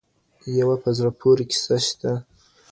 یوه په زړه پورې کیسه شته.